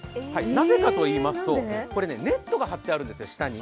なぜかといいますと、ネットが下に張ってあるんですよ。